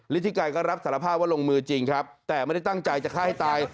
ฤทธิไกรก็รับสารภาพว่าลงมือจริงครับแต่ไม่ได้ตั้งใจจะฆ่าให้ตาย